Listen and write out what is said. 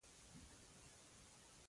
کله مو چې په لاره تلل پیل کړل.